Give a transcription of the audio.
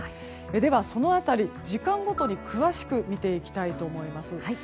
ではその辺り、時間ごとに詳しく見ていきたいと思います。